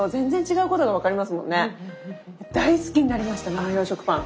大好きになりました生用食パン。